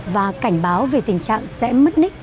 và cảnh báo về tình trạng sẽ mất nick